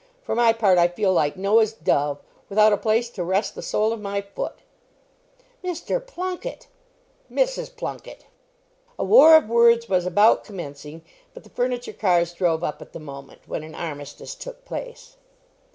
For my part, I feel like Noah's dove, without a place to rest the sole of my foot." "Mr. Plunket!" "Mrs. Plunket!" A war of words was about commencing, but the furniture cars drove up at the moment, when an armistice took place.